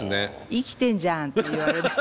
生きてんじゃんって言われたい。